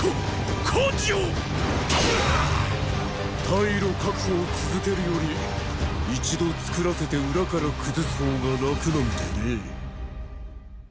退路確保を続けるより一度作らせて裏から崩す方が楽なんでね。